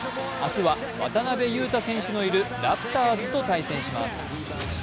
明日は渡邊雄太選手のいるラプターズと対戦します。